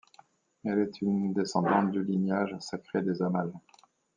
Elle est une descendante du lignage sacré des Amales.